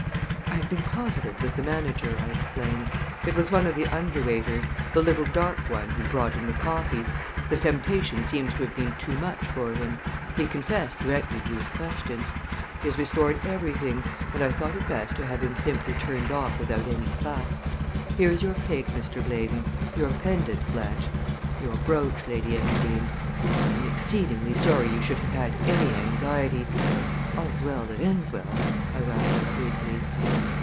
"I have been closeted with the manager," I explained. "It was one of the underwaiters the little dark one who brought in the coffee. The temptation seems to have been too much for him. He confessed directly he was questioned. He has restored everything and I thought it best to have him simply turned off without any fuss. Here is your pig, Sir Blaydon; your pendant, Blanche; your brooch, Lady Enterdean. I am exceedingly sorry you should have had any anxiety but all's well that ends well!" I wound up weakly.